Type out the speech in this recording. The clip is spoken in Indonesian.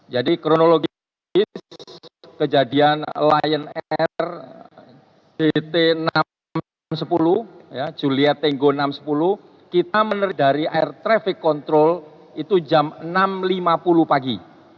jadi kronologi kejadian lion air jt enam ratus sepuluh julia tenggo enam ratus sepuluh kita menerima dari air traffic control itu jam enam lima puluh pagi